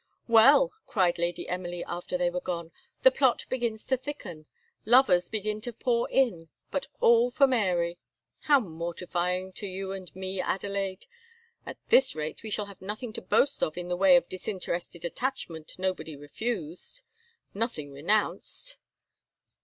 "Well!" cried Lady Emily, after they were gone, "the plot begins to thicken; lovers begin to pour in, but all for Mary; how mortifying to you and me, Adelaide! At this rate we shall have nothing to boast of in the way of disinterested attachment nobody refused! nothing renounced!